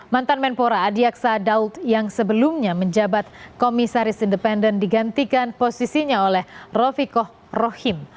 mantan menpora adi aksa daud yang sebelumnya menjabat komisaris independen digantikan posisinya oleh rofikoh rohim